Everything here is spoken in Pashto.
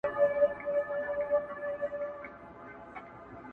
یا به مري یا به یې بل څوک وي وژلی؛